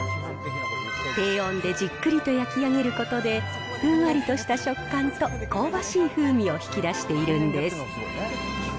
低温でじっくりと焼き上げることで、ふんわりとした食感と香ばしい風味を引き出しているんです。